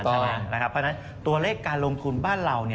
เพราะฉะนั้นตัวเลขการลงทุนบ้านเรา